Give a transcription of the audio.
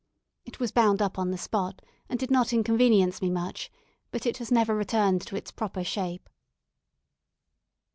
It was bound up on the spot and did not inconvenience me much, but it has never returned to its proper shape.